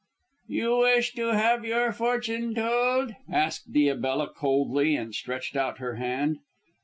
"You wish to have your fortune told?" asked Diabella coldly and stretched out her hand.